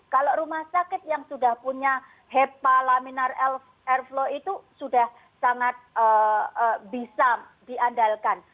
kalau rumah sakit yang sudah punya hepa laminar air flow itu sudah sangat bisa diandalkan